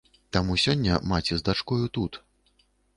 Таму сёння маці з дачкою тут.